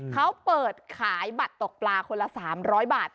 เขาเปิดขายบัตรตกปลาคนละ๓๐๐บาท